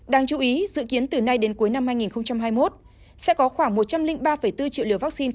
đáng chú ý dự kiến từ nay đến cuối năm hai nghìn hai mươi một sẽ có khoảng một trăm linh ba bốn triệu liều vaccine